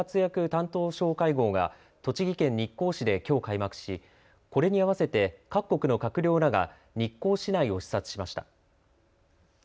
担当相会合が栃木県日光市できょう開幕しこれに合わせて各国の閣僚らが日光市内を視察しました。